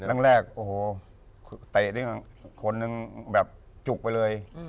แรกโอ้โหเตะนี่คนหนึ่งแบบจุกไปเลย